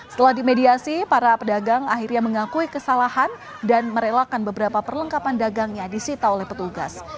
setelah dimediasi para pedagang akhirnya mengakui kesalahan dan merelakan beberapa perlengkapan dagangnya disita oleh petugas